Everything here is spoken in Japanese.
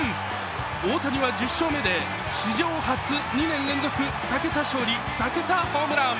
大谷は１０勝目で史上初２年連続２桁勝利２桁ホームラン。